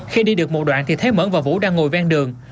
khi đi được một đoạn thì thấy mẫn và vũ đang ngồi ven đường